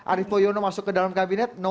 arief poyono masuk ke dalam kabinet